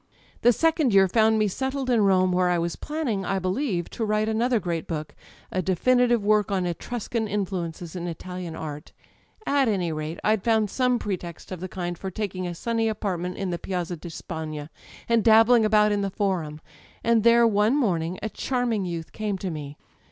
''The second year found me settled in Rome, where I was planning, I believe, to write another great book â€" a definitive work on Etruscan influences in Italian art. At any rate, I'd found some pretext of the kind for taking a sunny apartment in the Piazza di Spagna and dabbling about in the Forum; and there, one morning, a dbarming youth came to me.